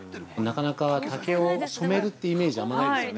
◆なかなか竹を染めるというイメージはあんまないですよね。